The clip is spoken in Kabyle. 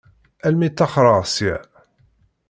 Armi ṭṭaxreɣ ssya.